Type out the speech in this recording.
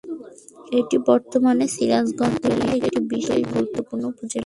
এটি বর্তমানে সিরাজগঞ্জ জেলার একটি বিশেষ গুরুত্বপূর্ণ উপজেলা।